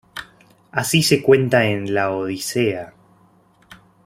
Así se cuenta en la "Odisea".